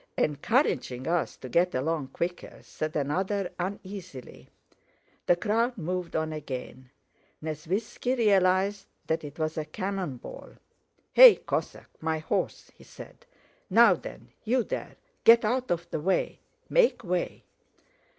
"Encouraging us to get along quicker," said another uneasily. The crowd moved on again. Nesvítski realized that it was a cannon ball. "Hey, Cossack, my horse!" he said. "Now, then, you there! get out of the way! Make way!"